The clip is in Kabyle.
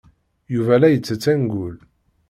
Yuba la ittett angul.